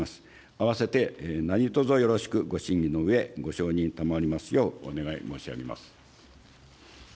あわせて、何とぞよろしくご審議のうえ、ご承認賜りますようお願い申し上げます。